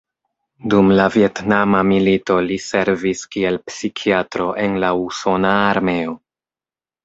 Dum la Vjetnama milito li servis kiel psikiatro en la usona armeo.